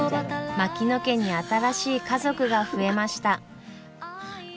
槙野家に新しい家族が増えました。